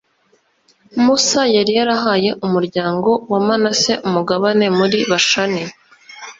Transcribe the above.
musa yari yarahaye umuryango wa manase umugabane muri bashani